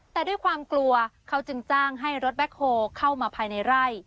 แต่ด้วยความกลัวเขาจึงจ้างให้รถแบ็คโฮลเข้ามาภายในไร่